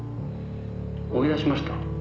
追い出しました」